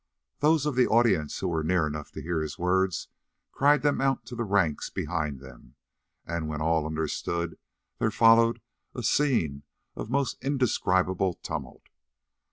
Those of the audience who were near enough to hear his words cried them out to the ranks behind them, and when all understood there followed a scene of most indescribable tumult.